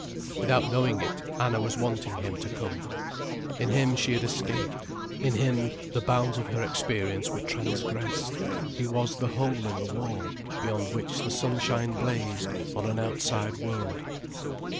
Without knowing it, Anna was wanting him to come. In him she had escaped. In him the bounds of her experience were transgressed: he was the hole in the wall, beyond which the sunshine blazed on an outside world.